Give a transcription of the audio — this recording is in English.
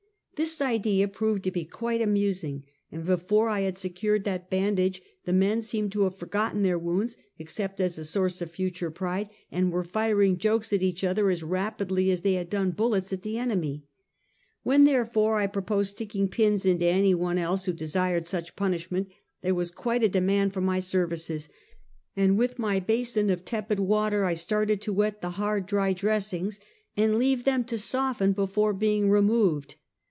This idea proved to be quite amusing, and before I had secured that bandage, the men seemed to have for gotten their wounds, except as a source of future pride, and were firing jokes at each other as rapidly as they had done bullets at the enemy. "When, therefore, I proposed sticking pins into any one else who desired such punishment, there was quite a demand for my services, and with my basin of tepid water I started to wet the hard, dry dressings, and leave them to soften before being removed.